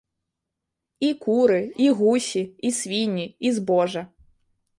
І куры, і гусі, і свінні, і збожжа.